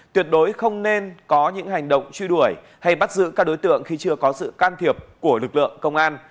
tuyệt đối không nên có những hành động truy đuổi hay bắt giữ các đối tượng khi chưa có sự can thiệp của lực lượng công an